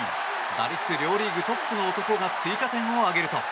打率両リーグトップの男が追加点を挙げると。